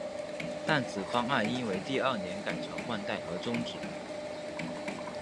但此方案因为第二年改朝换代而中止。